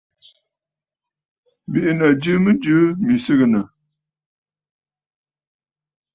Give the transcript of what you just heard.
Bì’inǝ̀ jɨ mɨjɨ mì sɨgɨnǝ̀.